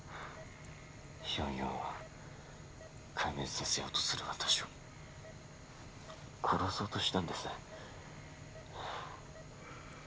４４を壊滅させようとする私を殺そうとしたんです。